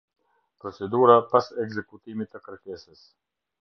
Procedura pas ekzekutimit të kërkesës.